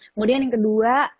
kemudian yang kedua